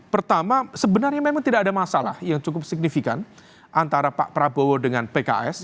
pertama sebenarnya memang tidak ada masalah yang cukup signifikan antara pak prabowo dengan pks